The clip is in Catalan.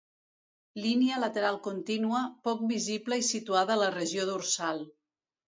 Línia lateral contínua, poc visible i situada a la regió dorsal.